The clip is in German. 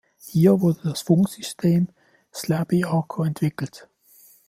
Hier wurde das Funksystem "Slaby-Arco" entwickelt.